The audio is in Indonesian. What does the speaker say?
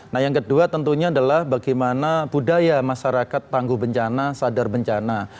nah yang kedua tentunya adalah bagaimana budaya masyarakat tangguh bencana sadar bencana